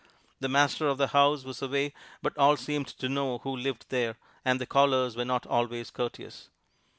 The master of the house was away, but all seemed to know who lived there, and the callers were not always courteous.